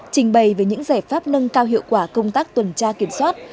trình bày về những giải pháp nâng cao hiệu quả công tác tuần tra kiểm soát